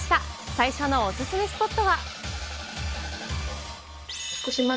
最初のお勧めスポットは。